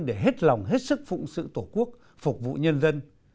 để hết lòng hết sức phụng sự tổ quốc phục vụ nhân dân